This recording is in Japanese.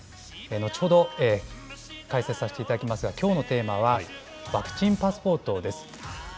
後ほど、解説させていただきますが、きょうのテーマは、ワクチンパスポートです。